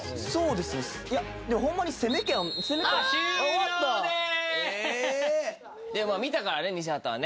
でも見たからね西畑はね。